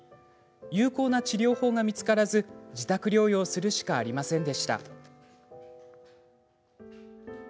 有効な治療法が見つからず自宅療養するしかありませんでした。